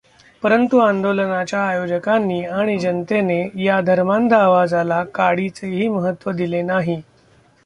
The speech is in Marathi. परंतु आंदोलनाच्या आयोजकांनी आणि जनतेने या धर्मांध आवाजाला काडीचेही महत्त्व दिले नाही.